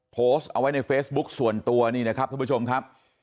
โพสต์เอาไว้ในเฟซบุ๊คส่วนตัวนี่นะครับท่านผู้ชมครับ